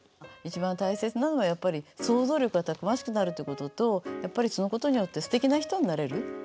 一番大切なのはやっぱり想像力がたくましくなるということとやっぱりそのことによってすてきな人になれる。